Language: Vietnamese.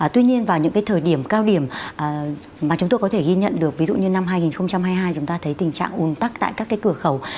tuy nhiên vào những cái thời điểm cao điểm mà chúng tôi có thể ghi nhận được ví dụ như năm hai nghìn hai mươi hai chúng ta thấy tình trạng uốn tắc tại các cái cửa khẩu